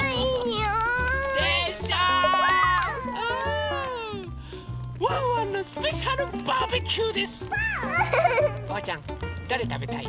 おうちゃんどれたべたい？